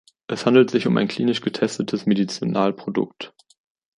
Es handelt sich um ein klinisch getestetes Medizinalprodukt.